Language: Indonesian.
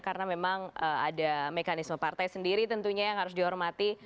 karena memang ada mekanisme partai sendiri tentunya yang harus dihormati